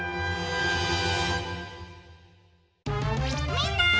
みんな！